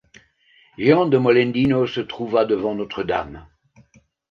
Jehan de Molendino se trouva devant Notre-Dame.